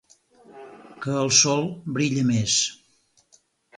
Que el sol brilla més.